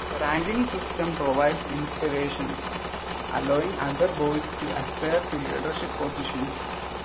The ranking system provides inspiration, allowing other boys to aspire to leadership positions.